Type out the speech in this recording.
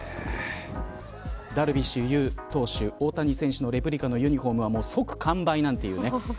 ダルビッシュ有投手大谷選手のレプリカのユニホームは即完売なんていうね。